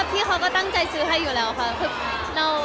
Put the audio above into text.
พี่เขาก็ตั้งใจซื้อให้อยู่แล้วค่ะ